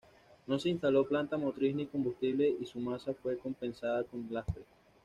No se instaló planta motriz ni combustible y su masa fue compensada con lastre.